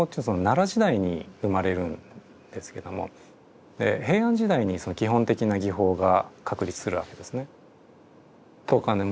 奈良時代に生まれるんですけども平安時代に基本的な技法が確立するわけですね。